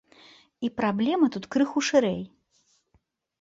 І праблема тут крыху шырэй.